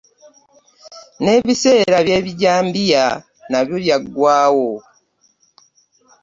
N'ebiseera by'ebijambiya nabyo by'agwawo